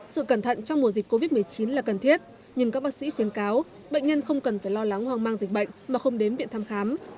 sự cẩn thận trong mùa dịch covid một mươi chín là cần thiết nhưng các bác sĩ khuyến cáo bệnh nhân không cần phải lo lắng hoang mang dịch bệnh mà không đến viện thăm khám